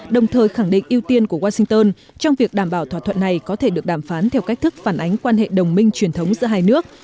đồng thời khẳng định ưu tiên của washington trong việc đảm bảo thỏa thuận này có thể được đàm phán theo cách thức phản ánh quan hệ đồng minh truyền thống giữa hai nước